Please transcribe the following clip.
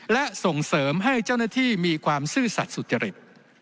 และส่งเสริมให้เจ้าหน้าที่มีความซื่อสัตว์สุจริต